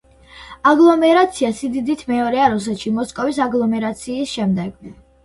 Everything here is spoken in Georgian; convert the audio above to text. აგლომერაცია სიდიდით მეორეა რუსეთში, მოსკოვის აგლომერაციის შემდეგ.